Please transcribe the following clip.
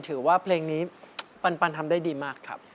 ถือว่าเพลงนี้ปันทำได้ดีมากครับ